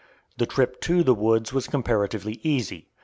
The trip to the woods was comparatively easy.